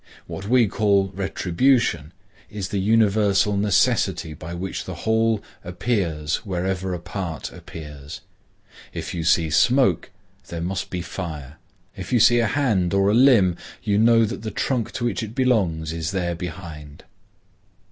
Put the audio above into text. What we call retribution is the universal necessity by which the whole appears wherever a part appears. If you see smoke, there must be fire. If you see a hand or a limb, you know that the trunk to which it belongs is there behind.